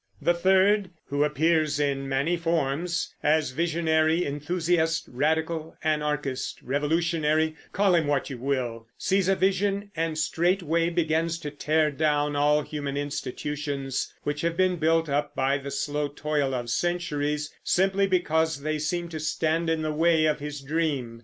The third, who appears in many forms, as visionary, enthusiast, radical, anarchist, revolutionary, call him what you will, sees a vision and straightway begins to tear down all human institutions, which have been built up by the slow toil of centuries, simply because they seem to stand in the way of his dream.